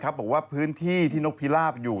บอกว่าพื้นที่ที่นกพิราบอยู่